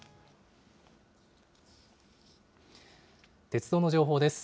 鉄道の情報です。